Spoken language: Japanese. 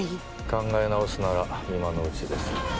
考え直すなら今のうちです。